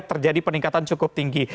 terjadi peningkatan cukup tinggi